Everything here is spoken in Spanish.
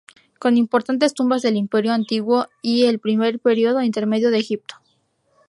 Con importantes tumbas del Imperio Antiguo y el primer periodo intermedio de Egipto.